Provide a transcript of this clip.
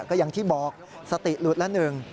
ก็อย่างที่บอกสติหลุดละหนึ่ง